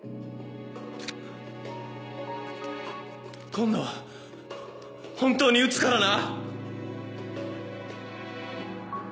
今度は本当に撃つからな？